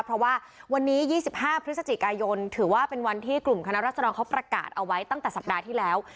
เพราะว่าวันนี้๒๕พฤศจิกายนถือว่าเป็นวันที่กลุ่มคณะรัศดรเขาประกาศเอาไว้ตั้งแต่สัปดาห์ที่แล้ว